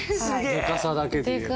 でかさだけで言うと。